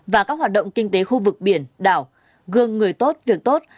và các hoạt động kinh tế khu vực biển đảo gương người tốt việc tốt